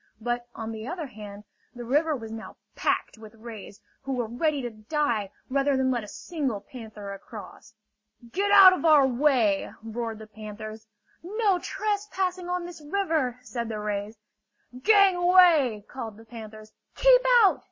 But, on the other hand, the river was now packed with rays, who were ready to die, rather than let a single panther across. "Get out of our way!" roared the panthers. "No trespassing on this river!" said the rays. "Gangway!" called the panthers. "Keep out!"